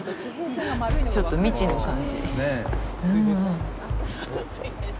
ちょっと未知の感じ。